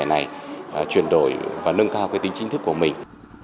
cao thể này chuyển đổi và nâng cao cái tính chính thức của mình